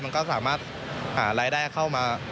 มันก็สามารถหารายได้เข้ามา